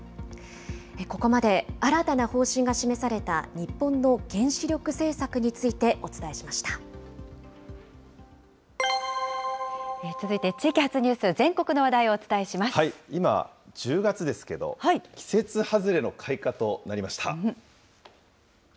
ここまで、新たな方針が示された、日本の原子力政策について続いて、地域発ニュース、全今、１０月ですけど、季節外れの開花となりました。